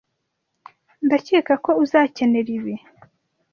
Ndakeka ko uzakenera ibi.